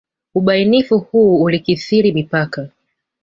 Ubainifu huu ulikithiri mipaka.